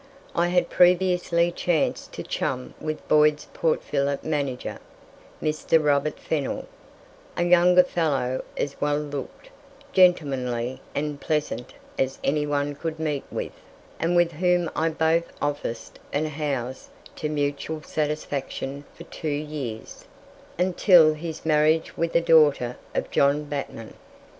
I had previously chanced to "chum" with Boyd's Port Phillip manager, Mr. Robert Fennell, a young fellow as well looked, gentlemanly, and pleasant as anyone could meet with, and with whom I both officed and housed to mutual satisfaction for two years, until his marriage with a daughter of John Batman.